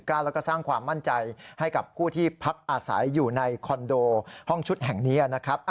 แล้วก็สร้างความมั่นใจให้กับผู้ที่พักอาศัยอยู่ในคอนโดห้องชุดแห่งนี้นะครับ